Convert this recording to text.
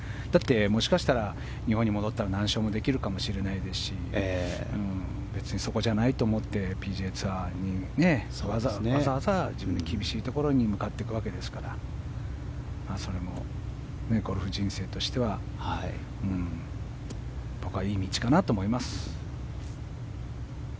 もしかしたら日本に戻ったら何勝もできるかもしれないし別にそこじゃないと思ってＰＧＡツアーにわざわざ自分で厳しいところに向かっていくわけですからゴルフ人生としては僕はいい道かなと思います。